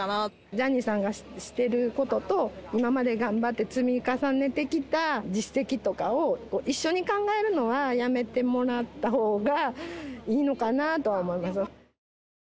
ジャニーさんがしていることと、今まで頑張って積み重ねてきた実績とかを、一緒に考えるのはやめてもらったほうがいいのかなとは思います。